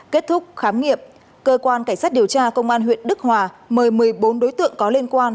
kết thúc khám nghiệm cơ quan cảnh sát điều tra công an huyện đức hòa mời một mươi bốn đối tượng có liên quan